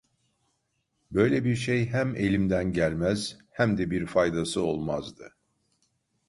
Böyle bir şey hem elimden gelmez, hem de bir faydası olmazdı.